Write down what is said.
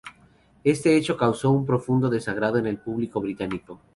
Este hecho causó un profundo desagrado en el público británico.